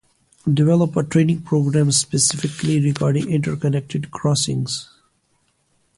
Develop a training program specifically regarding interconnected crossings.